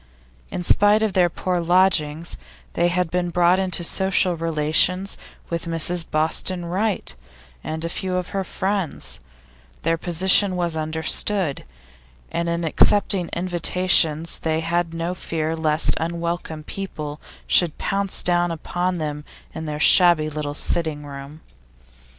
In spite of their poor lodgings, they had been brought into social relations with Mrs Boston Wright and a few of her friends; their position was understood, and in accepting invitations they had no fear lest unwelcome people should pounce down upon them in their shabby little sitting room.